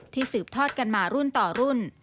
สืบทอดกันมารุ่นต่อรุ่น